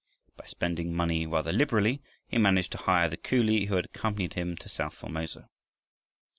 By spending money rather liberally he managed to hire the coolie who had accompanied him to south Formosa.